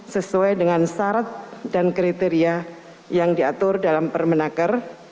sesuai dengan syarat dan kriteria yang diatur dalam permenaker